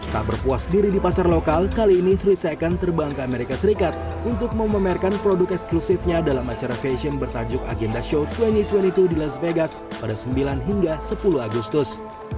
tak berpuas diri di pasar lokal kali ini tiga second terbang ke amerika serikat untuk memamerkan produk eksklusifnya dalam acara fashion bertajuk agenda show dua ribu dua puluh dua di las vegas pada sembilan hingga sepuluh agustus